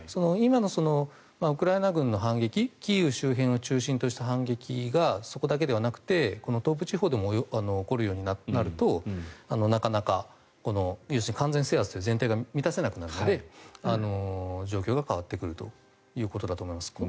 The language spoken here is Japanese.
今のウクライナ軍の反撃キーウ周辺とした反撃がそこだけではなくて東部地方でも起こるようになるとなかなか完全制圧という前提が満たせなくなるので状況が変わってくるということだと思います。